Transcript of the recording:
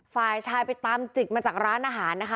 ฝ่ายชายไปตามจิกมาจากร้านอาหารนะคะ